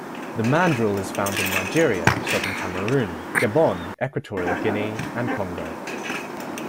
The mandrill is found in Nigeria, southern Cameroon, Gabon, Equatorial Guinea, and Congo.